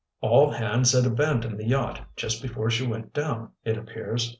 "All hands had abandoned the yacht just before she went down, it appears.